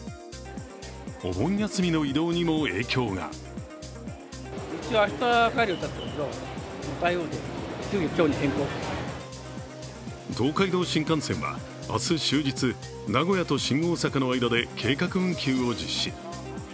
お盆休みの移動にも影響が東海道新幹線は明日終日名古屋と新大阪の間で計画運休を実施。